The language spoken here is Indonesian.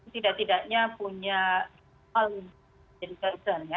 tidak tidaknya punya hal yang jadi keutuhannya